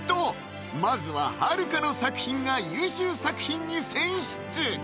まずははるかの作品が優秀作品に選出！